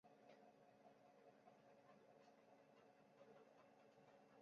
可以用全硫代锑酸盐加酸来制备它。